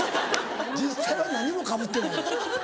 実際は何もかぶってない。